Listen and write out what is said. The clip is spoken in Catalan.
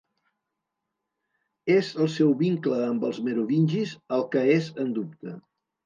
És el seu vincle amb els merovingis el que és en dubte.